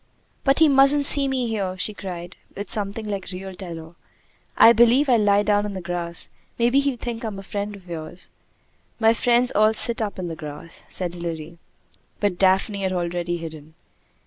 "But he mustn't see me here!" she cried, with something like real terror. "I believe I'll lie down in the grass. Maybe he'll think I am a friend of yours." "My friends all sit up in the grass," said Hilary. But Daphne had already hidden.